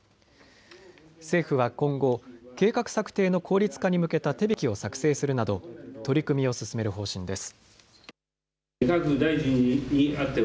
政府は今後、計画策定の効率化に向けた手引きを作成するなど取り組みを進める方針です。